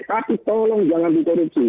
tapi tolong jangan dikorupsi